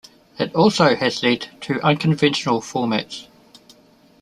It also has led to unconventional formats.